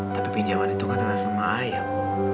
tapi pinjaman itu kan ada sama ayah